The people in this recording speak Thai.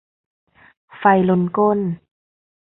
ไฟลนก้น